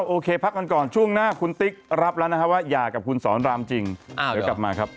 โอเคพักกันก่อนช่วงหน้าคุณติ๊กรับแล้วนะครับว่าหย่ากับคุณสอนรามจริงเดี๋ยวกลับมาครับ